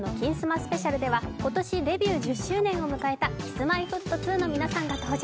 スペシャルでは、今年デビュー１０周年を迎えたＫｉｓ−Ｍｙ−Ｆｔ２の皆さんが登場。